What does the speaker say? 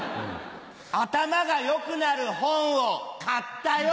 頭が良くなる本を買ったよ！